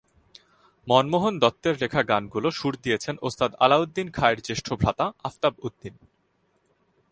মনমোহন দত্তের লেখা গানগুলো সুর দিয়েছেন ওস্তাদ আলাউদ্দীন খাঁ এর জ্যেষ্ঠ ভ্রাতা আফতাব উদ্দিন।